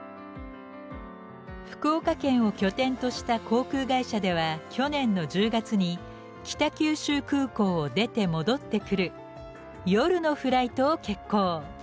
福岡県を拠点とした航空会社では去年の１０月に北九州空港を出て戻ってくる夜のフライトを決行。